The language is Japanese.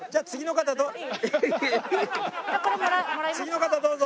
次の方どうぞ！